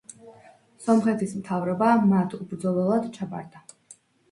სომხეთის მთავრობა მათ უბრძოლველად ჩაბარდა.